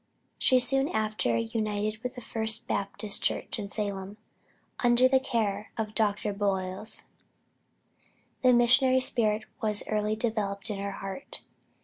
She soon after united with the first Baptist church in Salem, under the care of Dr. Bolles. The missionary spirit was early developed in her heart.